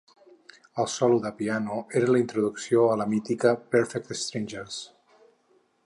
El solo de piano era l’introducció a la mítica ‘Perfect strangers’.